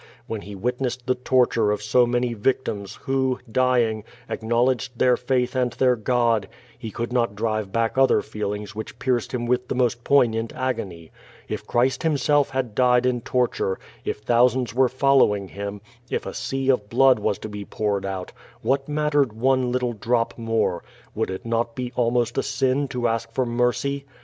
— ^when he witnessed the torture of so many victims, who, (lying, acknowledged their faith and their God — ^he could not drive back other feelings which pierced him with the most poignant agony. If Christ Him self had died in torture, if thousands were following Him, if a sea of blood was to be jwured out, what mattered one little drop more? Would it not be almost a sin to ask for mercy?